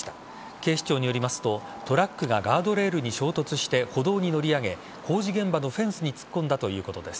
警視庁によりますと、トラックがガードレールに衝突して歩道に乗り上げ工事現場のフェンスに突っ込んだということです。